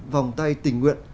vòng tay tình nguyện